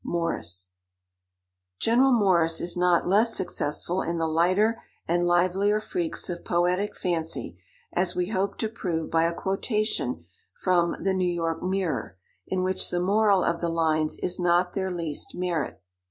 —MORRIS. General Morris is not less successful in the lighter and livelier freaks of poetic fancy, as we hope to prove by a quotation from "The New York Mirror," in which the moral of the lines is not their least merit.